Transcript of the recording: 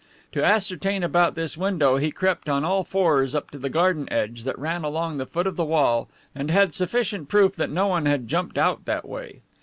To ascertain about this window he crept on all fours up to the garden edge that ran along the foot of the wall and had sufficient proof that no one had jumped out that way.